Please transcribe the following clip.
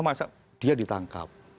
masa dia ditangkap